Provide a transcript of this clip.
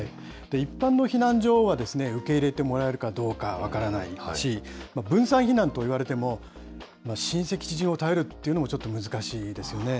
一般の避難所は受け入れてもらえるかどうか分からないし、分散避難といわれても、親戚、知人を頼るというのもちょっと難しいですよね。